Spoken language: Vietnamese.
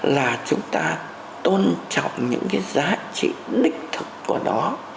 là chúng ta tôn trọng những cái giá trị đích thực của nó